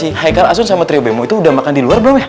si haikal asun sama trio bemo itu udah makan di luar belum ya